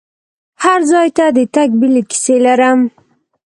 هر ځای ته د تګ بیلې کیسې لرم.